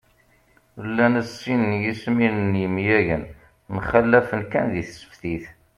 Llan sin n yesmilen n yemyagen, mxallafen kan di tseftit